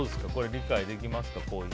理解できますか？